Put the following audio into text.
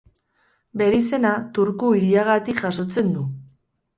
Bere izena Turku hiriagatik jasotzen du.